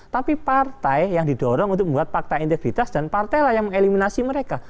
tapi partai yang didorong untuk membuat fakta integritas dan partailah yang mengeliminasi mereka